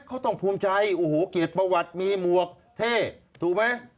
เขาต้องภูมิใจโอ้โหเกียรติประวัติมีหมวกเท่ถูกไหม